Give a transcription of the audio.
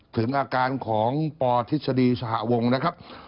ถึงอาการของปทฤษฎีสหวงนะครับ